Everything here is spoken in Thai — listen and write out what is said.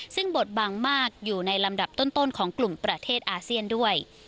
ซึ่งบทบังมากอยู่ในลำดับต้นของกลุ่มประเทศอาเซียนด้วย